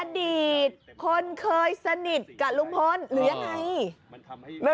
อดีตคนเคยสนิทกับลุงพลหรือยังไง